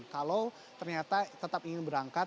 kalau ternyata tetap ingin berangkat